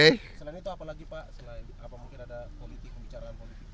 selain itu apa lagi pak